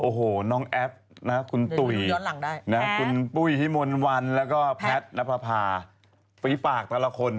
โอ้โหน้องแอฟคุณตุ๋ยคุณปุ้ยพี่มนต์วันแล้วก็แพทย์นภาฝีปากแต่ละคน